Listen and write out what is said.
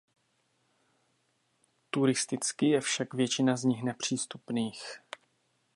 Turisticky je však většina z nich nepřístupných.